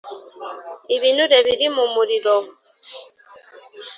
ibinure biri mu muriro